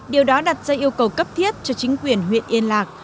điều đó đặt ra yêu cầu cấp thiết cho chính quyền huyện yên lạc